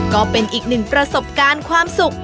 ก็เป็นอีกหนึ่งประสบการณ์ความสุข